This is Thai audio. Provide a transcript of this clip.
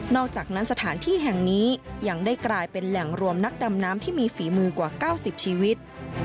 อกจากนั้นสถานที่แห่งนี้ยังได้กลายเป็นแหล่งรวมนักดำน้ำที่มีฝีมือกว่า๙๐ชีวิต